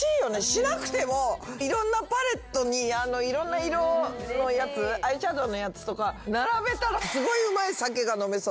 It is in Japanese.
しなくてもいろんなパレットにいろんな色のやつアイシャドウのやつとか並べたら。